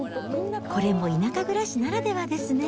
これも田舎暮らしならではですね。